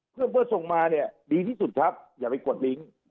เพื่อส่งมาเนี่ยดีที่สุดครับอย่าไปกดลิงค์